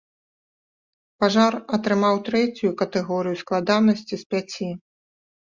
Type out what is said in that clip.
Пажар атрымаў трэцюю катэгорыю складанасці з пяці.